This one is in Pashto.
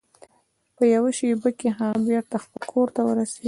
په یوه شیبه کې هغه بیرته خپل کور ته ورسید.